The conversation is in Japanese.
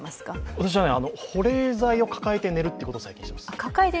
私は保冷剤を抱えて寝るってことを最近してます。